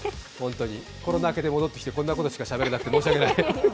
コロナ明けで戻ってきてこんなことしかしゃべれなくて申し訳ない。